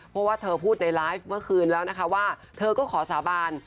เพราะว่าเธอพูดในไลฟ์เมื่อคืนแล้วนะคะว่าเธอก็ขอสาบาน